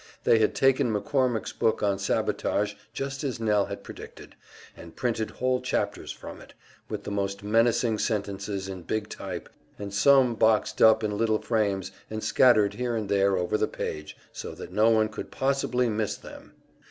They had taken McCormick's book on Sabotage, just as Nell had predicted, and printed whole chapters from it, with the most menacing sentences in big type, and some boxed up in little frames and scattered here and there over the page so that no one could possibly miss them.